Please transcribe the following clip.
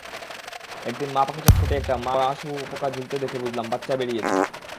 একদিন মা-পাখিটার ঠোঁটে একটা মরা শুঁয়োপোকা ঝুলতে দেখে বুঝলাম, বাচ্চা বেরিয়েছে।